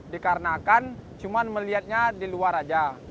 dikarenakan cuma melihatnya di luar aja